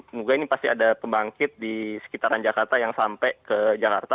semoga ini pasti ada pembangkit di sekitaran jakarta yang sampai ke jakarta